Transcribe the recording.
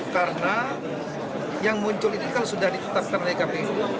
karena yang muncul ini kan sudah ditetapkan oleh kpu